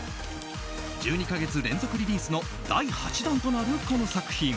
１２か月連続リリースの第８弾となるこの作品。